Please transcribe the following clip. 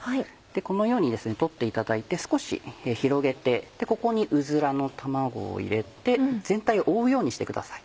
このように取っていただいて少し広げてここにうずらの卵を入れて全体を覆うようにしてください。